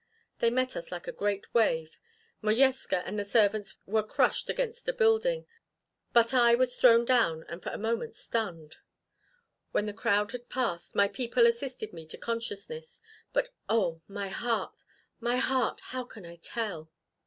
They met us like a great wave. Modjeska and the servants were crushed against a building, but I was thrown down and for a moment stunned. When the crowd had passed, my people assisted me to consciousness, but oh, my heart my heart! How can I tell?"